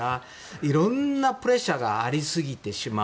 いろんなプレッシャーがありすぎてしまう。